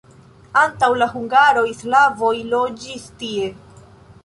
Antaŭ la hungaroj slavoj loĝis tie.